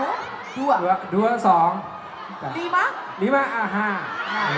โอ้เธอไม่ได้